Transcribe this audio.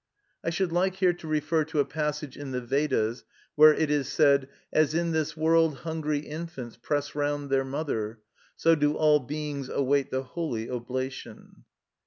I should like here to refer to a passage in the Vedas, where it is said: "As in this world hungry infants press round their mother; so do all beings await the holy oblation."